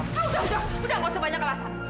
ah udah udah udah gak usah banyak alasan